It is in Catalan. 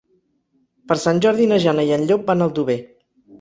Per Sant Jordi na Jana i en Llop van a Aldover.